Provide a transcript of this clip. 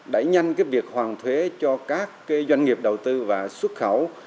đẩy nhanh việc hoàn thuế cho các doanh nghiệp đầu tư và xuất khẩu